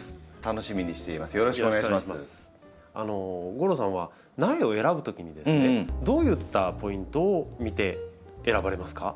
吾郎さんは苗を選ぶときにですねどういったポイントを見て選ばれますか？